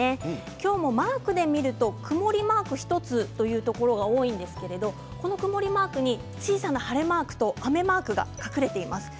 今日もマークで見ると曇りマーク１つというところが多いんですけれどこの曇りマークに小さな晴れマークと雨のマークが隠れています。